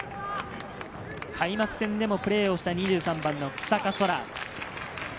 開幕戦でもプレーをした２３番の日下空。